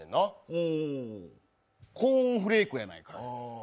ほー、コーンフレークやないかい。